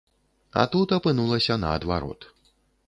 А тут апынулася наадварот.